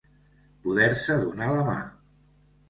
Poder-se donar la mà.